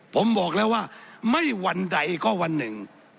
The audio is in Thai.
ผมบอกแล้วว่าไม่วันใดก็วันหนึ่ง